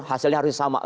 hasilnya harusnya sama